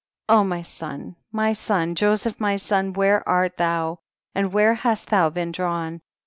my son, my son, Joseph my son, where art thou, and where hast thou been drawn?